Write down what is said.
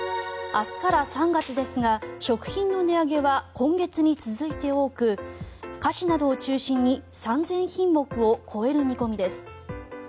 明日から３月ですが食品の値上げは今月に続いて多く菓子などを中心に３０００品目を超える見込みです。